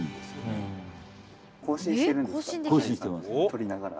採りながら？